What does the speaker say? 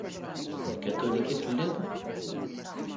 D akatulik i telliḍ?